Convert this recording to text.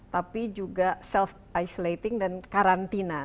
tapi juga self isolating dan karantina